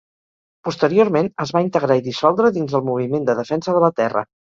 Posteriorment es va integrar i dissoldre dins el Moviment de Defensa de la Terra.